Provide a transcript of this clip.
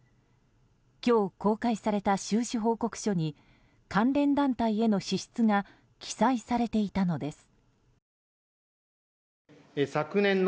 今日、公開された収支報告書に関連団体への支出が記載されていたのです。